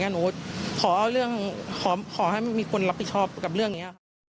หนูขอให้มีคนรับผิดชอบกับเรื่องนี้